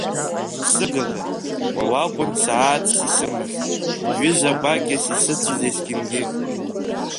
Сыгага, уа уакәын сааҭс исымаз, ҩыза гәакьас исыцыз есқьынгьы.